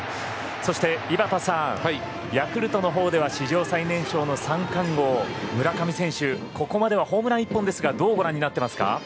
そして井端さん、ヤクルトでは史上最年少の三冠王村上選手、ここまではホームラン１本ですがどうご覧になっていますか。